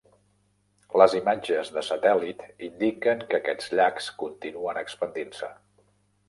Les imatges de satèl·lit indiquen que aquests llacs continuant expandint-se.